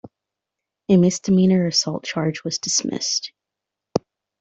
A misdemeanor assault charge was dismissed.